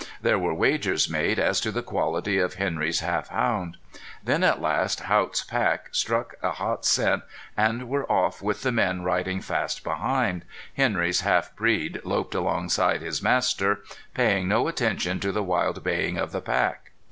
There were wagers made as to the quality of Henry's half hound. When at last Haught's pack struck a hot scent, and were off with the men riding fast behind, Henry's half breed loped alongside his master, paying no attention to the wild baying of the pack.